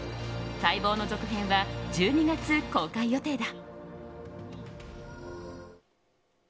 待望の続編は１２月公開予定だ。